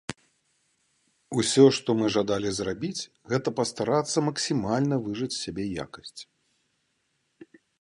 Усё, што мы жадалі зрабіць, гэта пастарацца максімальна выжаць з сябе якасць.